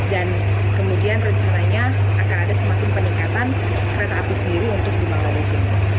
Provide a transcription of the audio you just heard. dan kemudian rencananya akan ada semakin peningkatan kereta api sendiri untuk di bangladesh